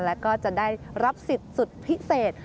แล้วก็จะได้รับสิทธิ์สุดพิเศษ